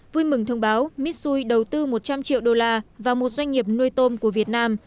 vui mừng thông báo mitsui đầu tư một trăm linh triệu đô la vào một doanh nghiệp nuôi tôm của việt nam